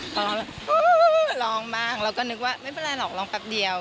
ร้องแบบร้องมากเราก็นึกว่าไม่เป็นไรหรอกร้องแป๊บเดียว